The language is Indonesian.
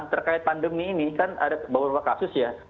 terkait pandemi ini kan ada beberapa kasus ya